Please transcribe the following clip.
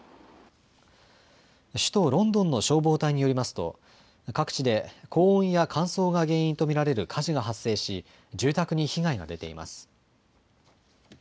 首都ロンドンの消防隊によりますと各地で高温や乾燥が原因と見られる火事が発生し住宅に被害が出ています。